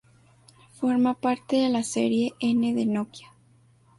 Forma parte de la Serie N de Nokia.